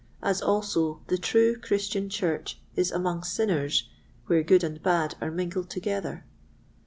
As also, the true Christian Church is among sinners, where good and bad are mingled together.